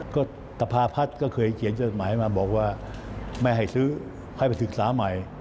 ก็ตภาพัฒน์ก็เคยเขียนจดหมายมาบอกว่าไม่ให้ซื้อให้ไปศึกษาใหม่